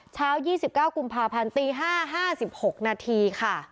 เช้า๒๙กุมภาพันธ์ตี๕๕๖นาทีค่ะ